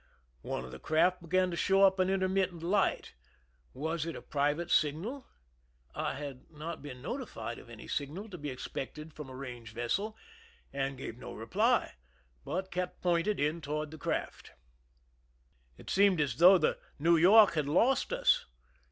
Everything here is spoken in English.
One of the craft began to show up an intermittent light ; was it a private signal ? I had not been notified of any signal to be (ixpected from a range vessel, and gave no reply, bui: kept pointed in toward the craft. It seemed as though the New York had lost us.